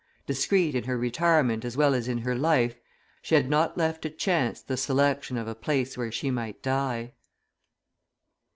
Discreet in her retirement as well as in her life, she had not left to chance the selection of a place where she might die.